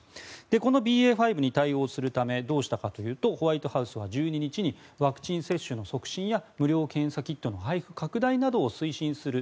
このＢＡ．５に対応するためどうしたかというとホワイトハウスは１２日にワクチン接種の促進や無料検査キットの配布拡大などを推進する